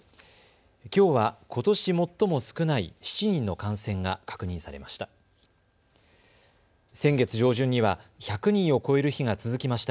きょうは、ことし最も少ない７人の感染が確認されました。